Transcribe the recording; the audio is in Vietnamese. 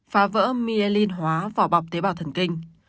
phá vỡ miên hóa vỏ bọc tế bào thần kinh